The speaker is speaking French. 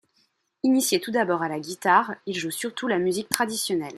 Initié tout d’abord à la guitare, il joue surtout la musique traditionnelle.